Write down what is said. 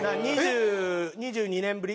２２年ぶり。